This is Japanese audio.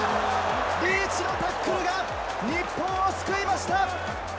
リーチのタックルが日本を救いました。